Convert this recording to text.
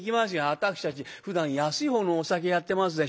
私たちふだん安いほうのお酒やってますでしょう？